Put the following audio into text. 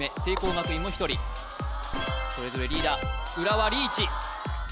学院も１人それぞれリーダー浦和リーチ